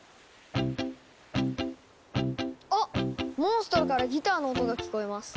あっモンストロからギターの音が聞こえます。